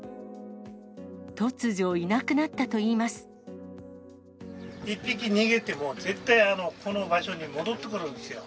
突如、いなくなったといいま１匹逃げても、絶対、この場所に戻ってくるんですよ。